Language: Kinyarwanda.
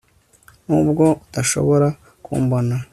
nubwo udashobora kumbona